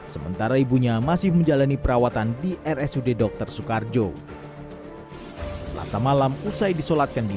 sementara ibunya masih menjalani perawatan di rsud dokter soekarjo selasa malam usai disolatkan di